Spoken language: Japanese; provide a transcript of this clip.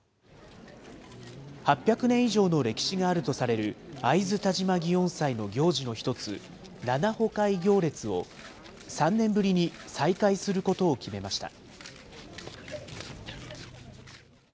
８００年以上の歴史があるとされる会津田島祇園祭の行事の一つ、七行器行列を３年ぶりに再開することを決めました。